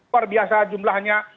luar biasa jumlahnya